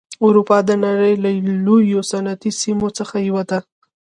اروپا د نړۍ له لویو صنعتي سیمو څخه یوه ده.